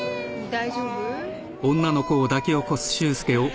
大丈夫？